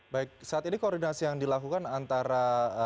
baik saat ini koordinasi yang dilakukan antara